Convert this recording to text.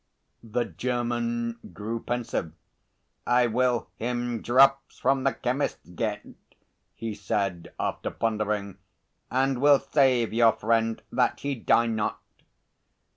The German grew pensive. "I will him drops from the chemist's get," he said, after pondering, "and will save your friend that he die not."